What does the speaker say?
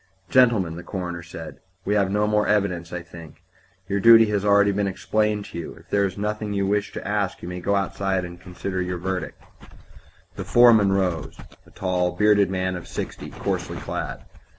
"Gentlemen," the coroner said, "we have no more evidence, I think. Your duty has been already explained to you; if there is nothing you wish to ask you may go outside and consider your verdict." The foreman rose a tall, bearded man of sixty, coarsely clad.